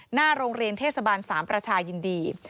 หน้าโรงเรียนเทศบาล๓ประชายินดี